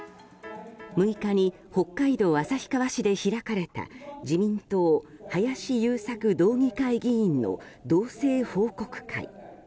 ６日に北海道旭川市で開かれた自民党、林祐作道議会議員の道政報告会。